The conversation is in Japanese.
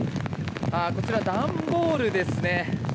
こちら、段ボールですね。